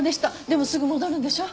でもすぐ戻るんでしょ？